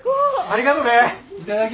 ありがとう！